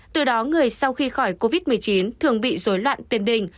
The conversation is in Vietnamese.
từ đó người sau khi khỏi covid một mươi chín thường bị dối loạn tiền đình